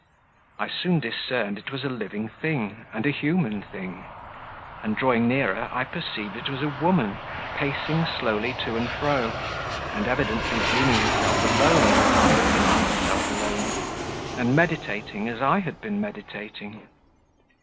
I soon discerned it was a living thing, and a human thing; and, drawing nearer, I perceived it was a woman, pacing slowly to and fro, and evidently deeming herself alone as I had deemed myself alone, and meditating as I had been meditating.